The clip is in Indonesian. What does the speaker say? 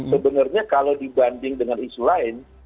sebenarnya kalau dibanding dengan isu lain